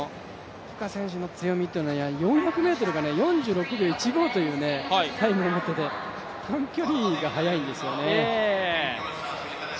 トゥカ選手は４００ｍが４２秒１５というタイムを持っていて短距離が速いんですよね。